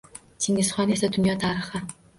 Chingizxon esa dunyo tarixi.